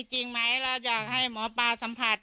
จริงไหมเราอยากให้หมอปลาสัมผัส